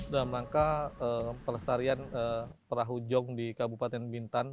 dalam rangka pelestarian perahu jong di kabupaten bintan